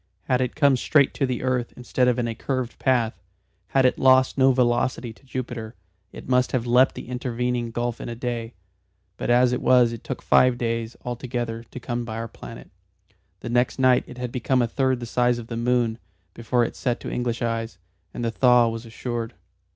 Had it come straight to the earth instead of in a curved path, had it lost no velocity to Jupiter, it must have leapt the intervening gulf in a day, but as it was it took five days altogether to come by our planet. The next night it had become a third the size of the moon before it set to English eyes, and the thaw was assured.